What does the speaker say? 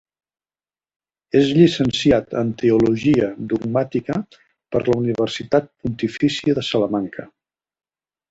És llicenciat en Teologia Dogmàtica per la Universitat Pontifícia de Salamanca.